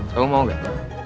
kamu mau gak